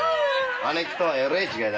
姉貴とはえれえ違い。